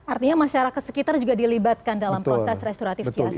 artinya masyarakat sekitar juga dilibatkan dalam proses restoratif kios